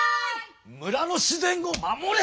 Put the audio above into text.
村の自然を守れ！